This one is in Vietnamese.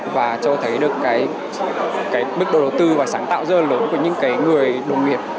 và cho thấy được cái bức đầu tư và sáng tạo rất là lớn của những cái người đồng nghiệp